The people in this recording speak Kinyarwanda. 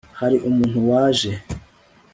hari umuntu waje